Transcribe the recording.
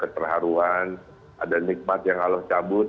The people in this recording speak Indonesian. dan ada nikmat yang allah cabut